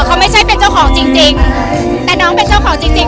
เขาไม่ใช่เป็นเจ้าของจริงจริงแต่น้องเป็นเจ้าของจริงจริง